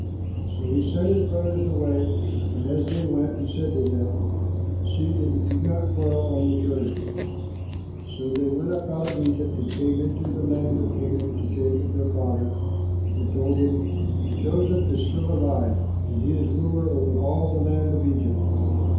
So he sent his brothers away, and, as they went, he said to them, "See that you do not quarrel on the journey!" So they went up out of Egypt and came into the land of Canaan to Jacob their father, and told him, "Joseph is still alive, and he is ruler over all the land of Egypt!"